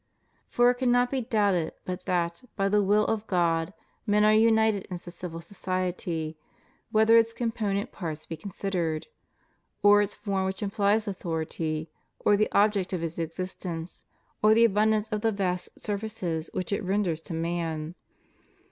For it cannot be doubted but that, by the will of God, men are united in civil society ; whether its component parts be considered; or its fonn, which imphes authority; or the object of its existence; or the abundance of the vast services which it renders to man.